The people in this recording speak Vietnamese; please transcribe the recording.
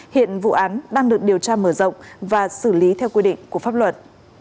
hiện vụ án đang được điều tra mở rộng và xử lý theo quy định của pháp luật